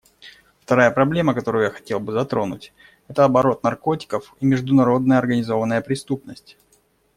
Вторая проблема, которую я хотел бы затронуть, это оборот наркотиков и международная организованная преступность.